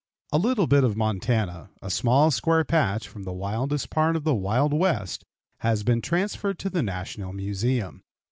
A little bit of Montana a small square patch from the wildest part of the wild West has been transferred to the National Museum.